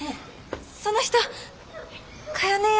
その人かよ